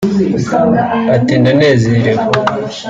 Ati “Ndanezerewe